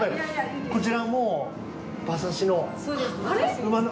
こちらも馬刺しの馬の？